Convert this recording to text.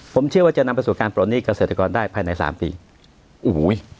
ผมเชื่อว่าจะนำไปสู่การปลดหนี้เกษตรกรได้ภายในสามปีโอ้โห